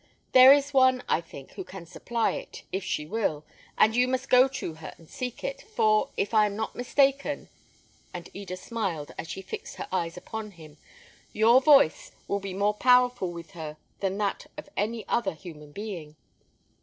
There is one, I think, who can supply it, if she will, and you must go to her and seek it; for, if I am not mistaken," and Eda smiled as she fixed her eyes upon him, "your voice will be more powerful with her than that of any other human being."